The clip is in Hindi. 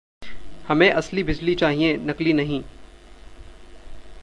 हमें असली बिजली चाहिए, नकली नहीं....